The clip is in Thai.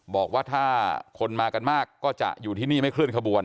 บอกว่าถ้าคนมากันมากก็จะอยู่ที่นี่ไม่เคลื่อนขบวน